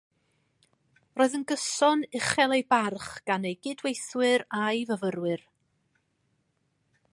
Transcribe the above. Roedd yn gyson uchel ei barch gan ei gydweithwyr a'i fyfyrwyr